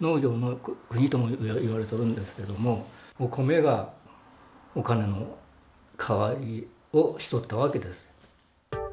農業の国ともいわれとるんですけど、お米がお金の代わりをしとったわけです。